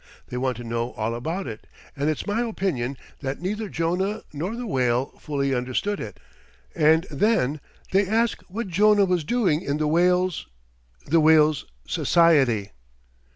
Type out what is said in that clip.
They want to know all about it, and it's my opinion that neither Jonah nor the whale fully understood it. And then they ask what Jonah was doing in the whale's the whale's society.'"